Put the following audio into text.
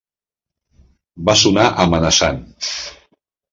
Va sonar amenaçant.